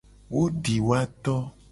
Wo di woa to.